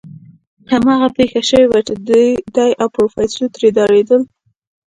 هماغه پېښه شوې وه چې دی او پروفيسر ترې ډارېدل.